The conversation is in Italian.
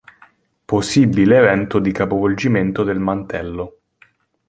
Possibile evento di capovolgimento del mantello.